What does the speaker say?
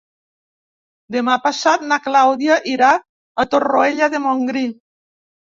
Demà passat na Clàudia irà a Torroella de Montgrí.